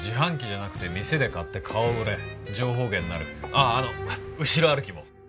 あああの後ろ歩きも。